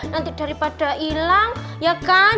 nanti daripada hilang ya kan